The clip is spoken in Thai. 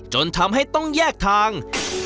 จนทำให้ต้องแยกทาง